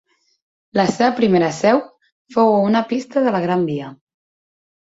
La seva primera seu fou a una pista de la Gran Via.